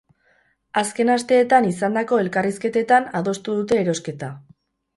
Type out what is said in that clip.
Azken asteetan izandako elkarrizketetan adostu dute erosketa.